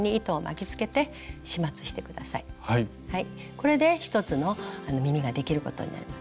これで１つの耳ができることになります。